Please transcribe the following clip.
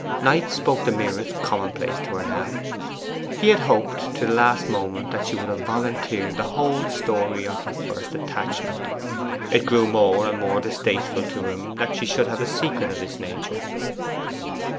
Knight spoke the merest commonplace to her now. He had hoped to the last moment that she would have volunteered the whole story of her first attachment. It grew more and more distasteful to him that she should have a secret of this nature.